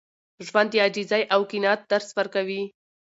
ژوند د عاجزۍ او قناعت درس ورکوي.